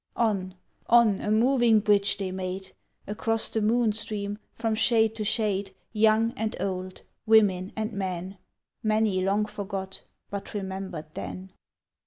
On, on, a moving bridge they made Across the moon stream, from shade to shade, Young and old, women and men; Many long forgot, but remember'd then.